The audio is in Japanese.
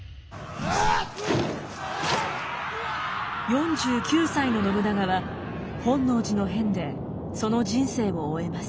４９歳の信長は本能寺の変でその人生を終えます。